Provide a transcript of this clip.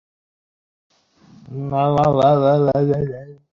তিনি শ্রেষ্ঠ পরিচালনা বিভাগে একাডেমি পুরস্কার অর্জন করেন।